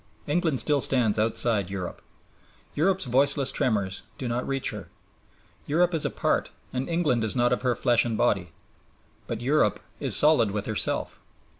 England still stands outside Europe. Europe's voiceless tremors do not reach her. Europe is apart and England is not of her flesh and body. But Europe is solid with herself.